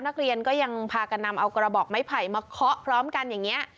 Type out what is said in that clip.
นักเรียนก็ยังพากันนำเอากระบอกไม้ไผ่มาเคาะพร้อมกันอย่างนี้